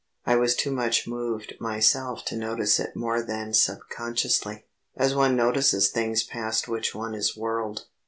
I was too much moved myself to notice it more than subconsciously, as one notices things past which one is whirled.